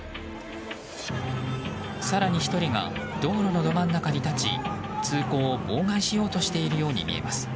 更に１人が道路のど真ん中に立ち通行を妨害しているように見えます。